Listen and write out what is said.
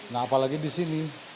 nah apalagi di sini